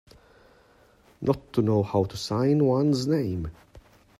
Not to know how to sign one's name.